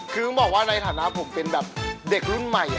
คือต้องบอกว่าในฐานะผมเป็นแบบเด็กรุ่นใหม่